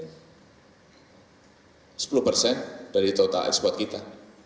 sepuluh persen dari total ekspor kita